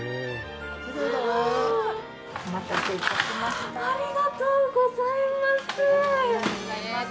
お待たせいたしました。